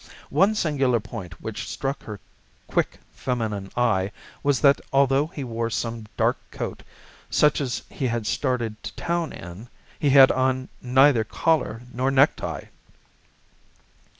One singular point which struck her quick feminine eye was that although he wore some dark coat, such as he had started to town in, he had on neither collar nor necktie.